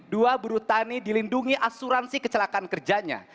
dua buruh tani dilindungi asuransi kecelakaan kerjanya